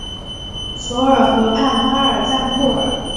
索尔河畔巴尔赞库尔。